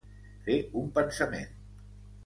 Fer un pensament.